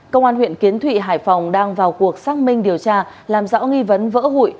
công an huyện kiến thụy hải phòng đang vào cuộc xác minh điều tra làm rõ nghi vấn vỡ hụi